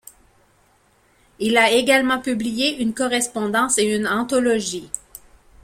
Il a également publié une correspondance et une anthologie.